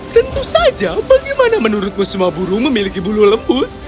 tentu saja bagaimana menurutku semua burung memiliki bulu lembut